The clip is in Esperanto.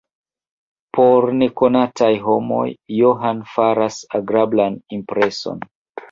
Por nekonataj homoj Johan faras agrablan impreson.